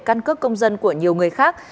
căn cước công dân của nhiều người khác